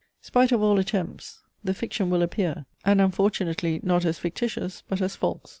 Spite of all attempts, the fiction will appear, and unfortunately not as fictitious but as false.